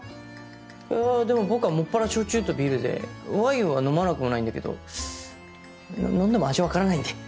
いやでも僕はもっぱら焼酎とビールでワインは飲まなくもないんだけど飲んでも味分からないんで。